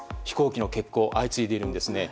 飛行機の欠航が相次いでいます。